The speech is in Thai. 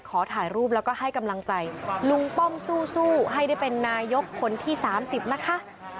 ขอถ่ายรูปแล้วก็ให้กำลังใจลุงป้อมสู้ให้ได้เป็นนายกคนที่๓๐นะคะ